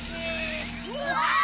うわ！